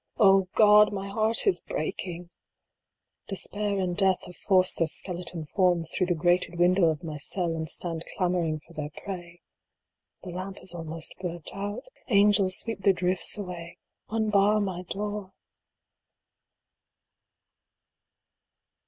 God ! my heart is breaking ! Despair and Death have forced their skeleton forms through the grated window of my cell, and stand clamor ing for their prey. The lamp is almost burnt out. Angels, sweep the drifts away unbar my door